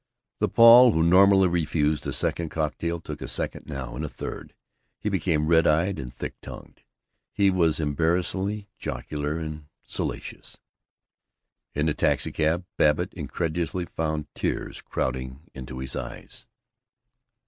The Paul who normally refused a second cocktail took a second now, and a third. He became red eyed and thick tongued. He was embarrassingly jocular and salacious. In the taxicab Babbitt incredulously found tears crowding into his eyes.